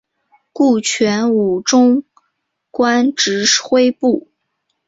顾全武终官指挥使。